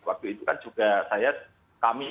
waktu itu kan juga saya kami